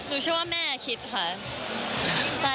เชื่อว่าแม่คิดค่ะ